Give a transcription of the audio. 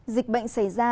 dịch bệnh xảy ra